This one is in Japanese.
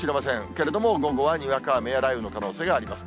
けれども午後はにわか雨や雷雨の可能性があります。